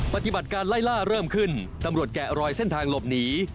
ปฏิบัติการไล่ล่าเริ่มขึ้นตำรวจแกะรอยเส้นทางหลบหนี